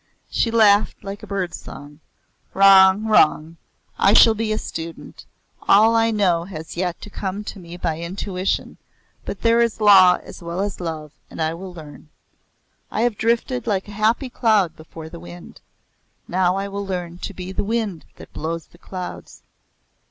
She laughed like a bird's song. "Wrong wrong! I shall be a student. All I know as yet has come to me by intuition, but there is Law as well as Love and I will learn. I have drifted like a happy cloud before the wind. Now I will learn to be the wind that blows the clouds."